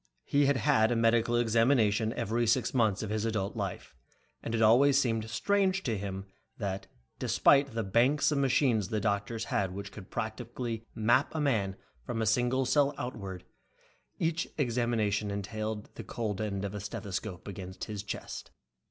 He had had a medical examination every six months of his adult life, and it always seemed strange to him that, despite the banks of machines the doctor had which could practically map a man from a single cell outward, each examination always entailed the cold end of a stethoscope against his chest.